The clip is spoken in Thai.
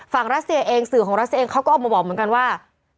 รัสเซียเองสื่อของรัสเองเขาก็ออกมาบอกเหมือนกันว่า